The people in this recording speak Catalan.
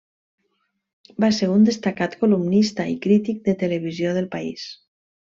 Va ser un destacat columnista i crític de televisió d'El País.